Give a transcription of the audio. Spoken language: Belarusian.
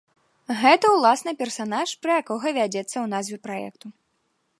Гэта ўласна персанаж, пра якога вядзецца ў назве праекту.